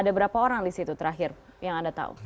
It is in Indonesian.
ada berapa orang di situ terakhir yang anda tahu